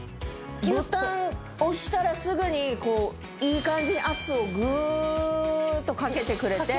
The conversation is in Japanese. ボタン押したらすぐにこういい感じに圧をグーッとかけてくれて。